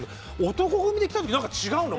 男闘呼組で来た時何か違うの。